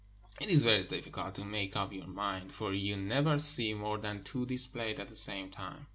It is very difficult to make up your mind, for you never see more than two displayed at the same time.